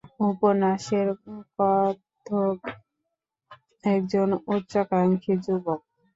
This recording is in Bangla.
উপন্যাসের কথক একজন উচ্চাকাঙ্ক্ষী যুবক।